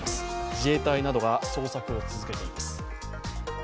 自衛隊などが捜索を続けています。